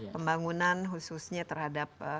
pembangunan khususnya terhadap